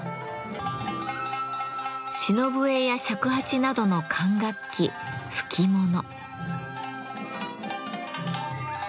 篠笛や尺八などの管楽器「吹きもの」。